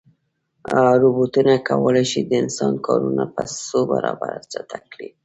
روبوټونه کولی شي د انسان کارونه په څو برابره چټک کړي.